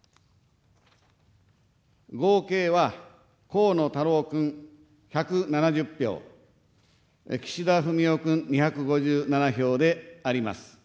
合計は、河野太郎君１７０票、岸田文雄君２５７票であります。